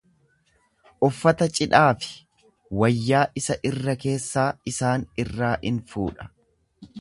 Uffata cidhaa fi wayyaa isa irra-keessaa isaan irraa in fuudha.